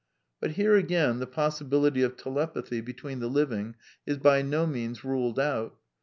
But, here again, the possibility of telepathy between j CONCLUSIONS 315 the living is by no means ruled out.